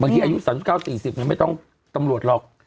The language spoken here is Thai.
ที่อายุ๓๙๔๐ไม่ต้องตำรวจหรอก